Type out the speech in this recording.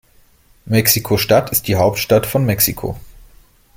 Mexiko-Stadt ist die Hauptstadt von Mexiko.